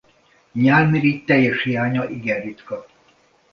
Nyálmirigy teljes hiánya igen ritka.